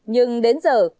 nhưng đến giờ